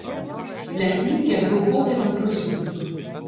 Лясніцкі абвёў поглядам прысутных.